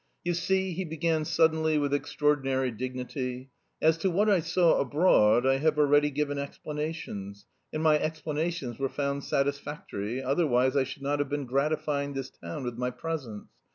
You see," he began suddenly with extraordinary dignity, "as to what I saw abroad I have already given explanations, and my explanations were found satisfactory, otherwise I should not have been gratifying this town with my presence.